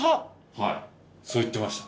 はいそう言ってました。